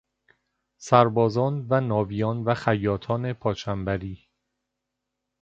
سربازان و ناویان و خیاطان پا چنبری